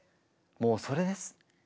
もうそれです。